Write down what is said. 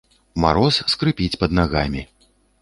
Мароз скрыпіць пад нагамі.